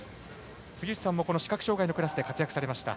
杉内さんも視覚障がいのクラスで活躍されました。